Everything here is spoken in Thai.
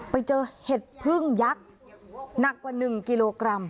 ไปเจอเห็ดพึ่งยักษ์หนักกว่า๑กิโลกรัม